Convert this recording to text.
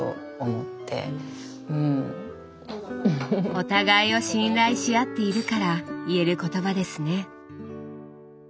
お互いを信頼しあっているから言える言葉ですね。